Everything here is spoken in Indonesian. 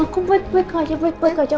aku baik baik aja